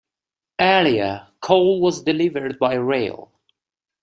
Earlier, coal was delivered by rail.